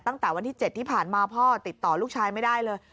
ตั้งแต่วันที่๗ที่ผ่านมาพ่อติดต่อลูกชายไม่ได้เลย